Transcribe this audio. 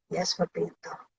ya seperti itu